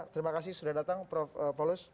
terima kasih sudah datang prof paulus